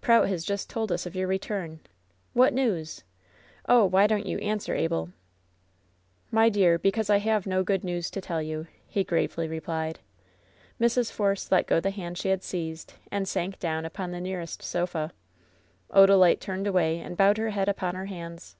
"Prout has just told us of your return I What news ? Oh, why don't you answer, Abel ?" "My dear, because I have no good news to tell you,*' he gravely replied. Mrs. Force let go the hand she had seized and sank down upon the nearest sof a, Odalite turned away and bowed her head upon her hands.